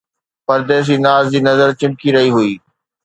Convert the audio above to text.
پرديسي ناز جي نظر چمڪي رهي هئي